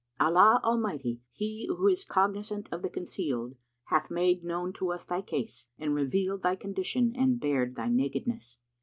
Allah Almighty, He who is cognisant of the concealed, hath made known to us thy case and revealed thy condition and bared thy nakedness."